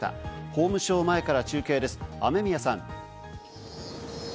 法務省前から中継です、雨宮さん。